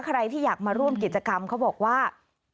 ใครที่อยากมาร่วมกิจกรรมเขาบอกว่า